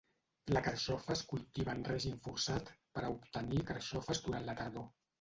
La carxofa es cultiva en règim forçat per a obtenir carxofes durant la tardor.